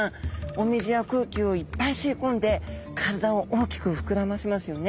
お水や空気をいっぱい吸い込んで体を大きく膨らませますよね。